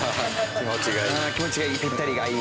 気持ちがいい。